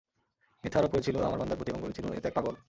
মিথ্যা আরোপ করেছিল আমার বান্দার প্রতি এবং বলেছিল, এতো এক পাগল।